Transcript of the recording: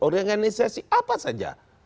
organisasi apa saja